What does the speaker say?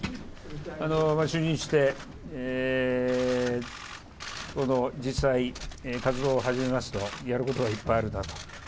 就任して、実際、活動を始めますと、やることがいっぱいあるなと。